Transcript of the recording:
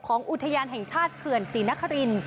อุทยานแห่งชาติเขื่อนศรีนคริน